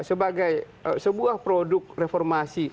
sebagai sebuah produk reformasi